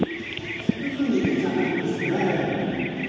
こんなふうに出来上がるんですね。